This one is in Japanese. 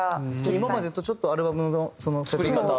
今までとちょっとアルバムの作り方が。